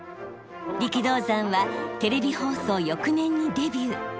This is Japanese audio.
力道山はテレビ放送翌年にデビュー。